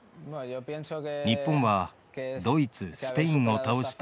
日本はドイツ、スペインを倒した